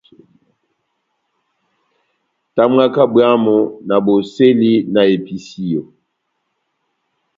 Tamwaka bwámu na bosɛli na episiyo.